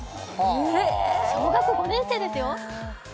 小学５年生ですよ？